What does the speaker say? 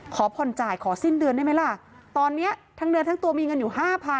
ขอผ่อนจ่ายขอสิ้นเดือนได้ไหมล่ะตอนนี้ทั้งเดือนทั้งตัวมีเงินอยู่ห้าพัน